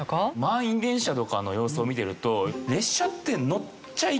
満員電車とかの様子を見てると列車って。